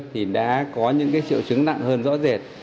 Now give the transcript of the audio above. thì đã có những triệu chứng nặng hơn rõ rệt